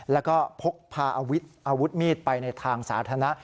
แล้วก็พกพาอาวุธมีดไปในทางสาธารณะ